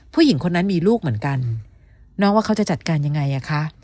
ผู้หญิงคนนั้นมีลูกเหมือนกันน้องว่าเขาจะจัดการยังไงอ่ะคะ